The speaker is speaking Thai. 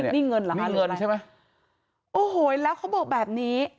นี่เงินเหรอคะเรือนะใช่ไหมโอ้โหแล้วเขาบอกแบบนี้